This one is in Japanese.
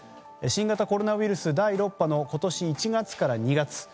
新型コロナウイルス第６波の今年１月から２月。